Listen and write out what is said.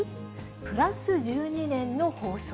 プラス１２年の法則。